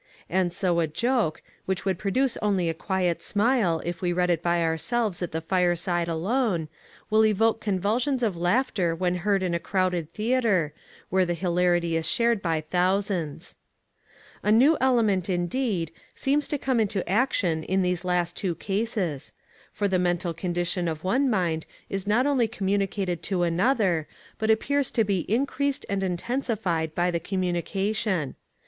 And so a joke, which would produce only a quiet smile if we read it by ourselves at the fireside alone, will evoke convulsions of laughter when heard in a crowded theatre, where the hilarity is shared by thousands. A new element, indeed, seems to come into action in these last two cases; for the mental condition of one mind is not only communicated to another, but it appears to be increased and intensified by the communication.